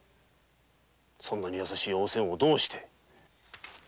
そんなに優しいお仙をどうして。